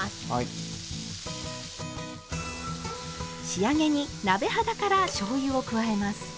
仕上げに鍋肌からしょうゆを加えます。